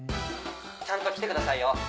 ちゃんと来てくださいよ。